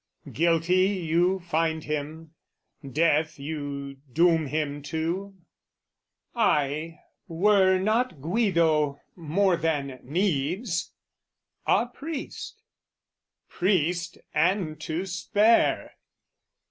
"Guilty you find him, death you doom him to? "Ay, were not Guido, more than needs, a priest, "Priest and to spare!"